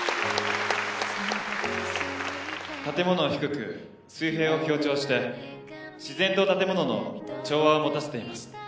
建物を低く水平を強調して自然と建物の調和を持たせています。